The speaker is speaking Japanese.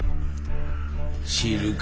知るか。